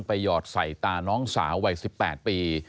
หยอดใส่ตาน้องสาววัย๑๘ปี